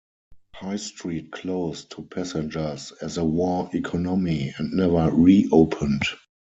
High Street closed to passengers as a war economy and never reopened.